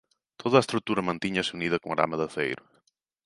Toda a estrutura mantíñase unida con arame de aceiro.